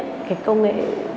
cái công nghệ